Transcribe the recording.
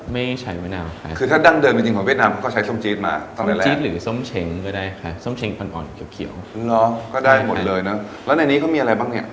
ไม่ใช่มะนาวครับ